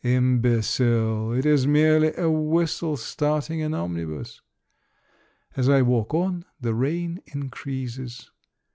Imbecile ! It is merely a whistle starting an omnibus. As I walk on, the rain increases.